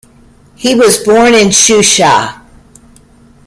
He was born in Shusha.